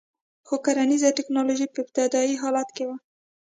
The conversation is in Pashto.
خو کرنیزه ټکنالوژي په ابتدايي حالت کې وه